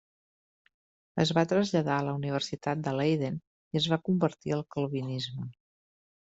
Es va traslladar a la Universitat de Leiden i es va convertir al calvinisme.